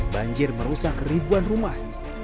banjir merusak ribuan rumah